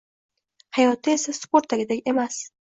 Hayotda esa sportdagidek emas